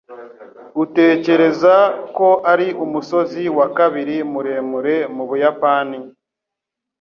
Utekereza ko ari umusozi wa kabiri muremure mu Buyapani?